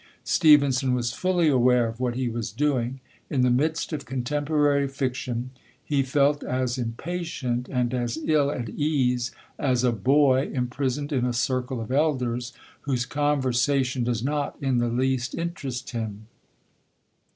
Stevenson was fully aware of what he was doing; in the midst of contemporary fiction he felt as impatient and as ill at ease as a boy, imprisoned in a circle of elders, whose conversation does not in the least interest him.